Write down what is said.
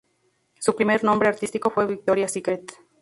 Su primer nombre artístico fue Victoria Secret.